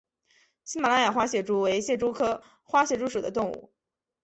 喜马拉雅花蟹蛛为蟹蛛科花蟹蛛属的动物。